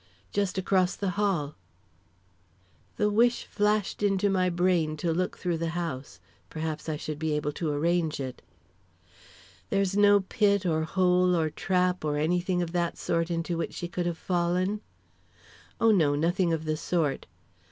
"Just across the hall." The wish flashed into my brain to look through the house; perhaps I should be able to arrange it. "There's no pit or hole or trap or anything of that sort into which she could have fallen?" "Oh, no; nothing of the sort."